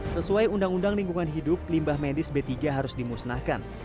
sesuai undang undang lingkungan hidup limbah medis b tiga harus dimusnahkan